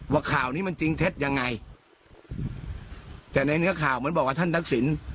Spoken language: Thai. ข่าวนี้มันจริงเท็จยังไงแต่ในเนื้อข่าวเหมือนบอกว่าท่านทักษิณ